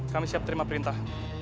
kami siap terima perintah